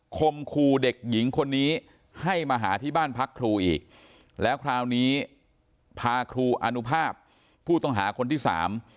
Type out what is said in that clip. คมครูเด็กหญิงคนนี้ให้มาหาที่บ้านพักครูอีกแล้วคราวนี้พาครูอนุภาพผู้ต้องหาคนที่สาม